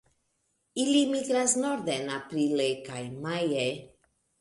Ili migras norden aprile kaj maje.